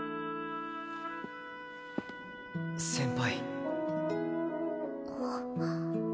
先輩。